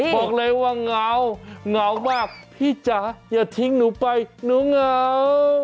บอกเลยว่าเหงาเหงามากพี่จ๋าอย่าทิ้งหนูไปหนูเหงา